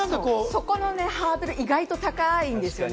そこのハードル、意外と高いんですよね。